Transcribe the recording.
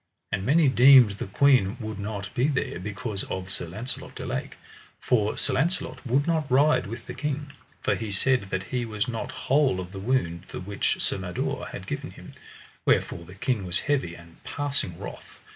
And many deemed the queen would not be there because of Sir Launcelot du Lake, for Sir Launcelot would not ride with the king, for he said that he was not whole of the wound the which Sir Mador had given him; wherefore the king was heavy and passing wroth.